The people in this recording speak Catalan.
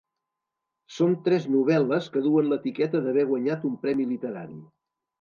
Són tres novel·les que duen l’etiqueta d’haver guanyat un premi literari.